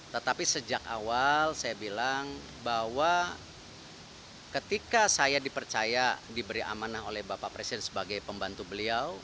tetapi sejak awal saya bilang bahwa ketika saya dipercaya diberi amanah oleh bapak presiden sebagai pembantu beliau